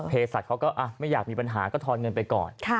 สัตว์เขาก็ไม่อยากมีปัญหาก็ทอนเงินไปก่อน